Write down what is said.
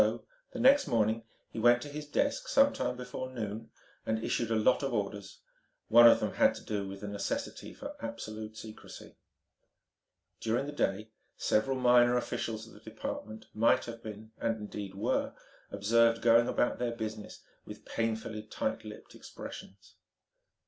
So, the next morning, he went to his desk some time before noon, and issued a lot of orders. One of them had to do with the necessity for absolute secrecy. During the day several minor officials of the department might have been, and indeed were, observed going about their business with painfully tight lipped expressions.